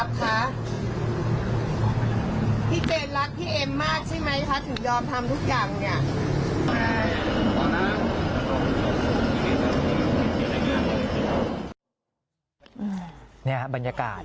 เป็นอย่างบรรยากาศ